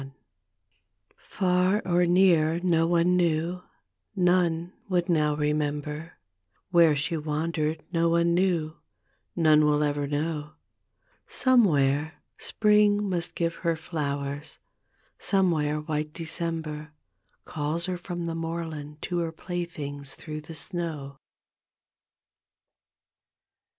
D,gt,, erihyGOOglC My Laddie's Hounds 33 Far or near no one knew — none would now remember Where she wandered no one knew — none will ever know; Somewhere Spring must give her flowers, somewhere white December Calls her from the moorland to her playthings through the snow.